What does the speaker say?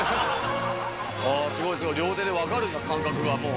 すごいすごい両手で分かるんだ感覚がもう。